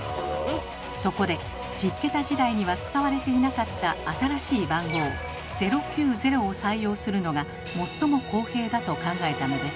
そこで１０桁時代には使われていなかった新しい番号「０９０」を採用するのが最も公平だと考えたのです。